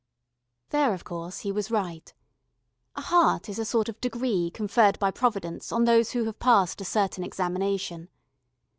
There, of course, he was right. A heart is a sort of degree conferred by Providence on those who have passed a certain examination.